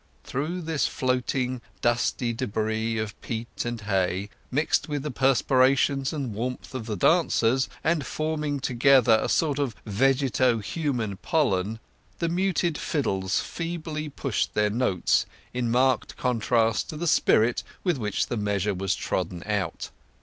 Through this floating, fusty débris of peat and hay, mixed with the perspirations and warmth of the dancers, and forming together a sort of vegeto human pollen, the muted fiddles feebly pushed their notes, in marked contrast to the spirit with which the measure was trodden out.